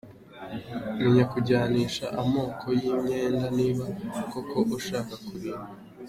Menya kujyanisha amoko y’ imyenda niba koko ushaka kurimba.